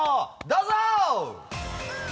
どうぞ！